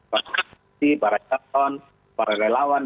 pak khamisi pak raychaton pak raylawan